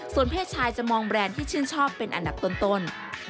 เพศชายจะมองแบรนด์ที่ชื่นชอบเป็นอันดับต้น